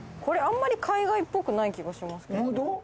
これあんまり海外っぽくない気がしますけど。